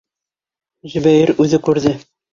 Зөбәйер үҙе күрҙе.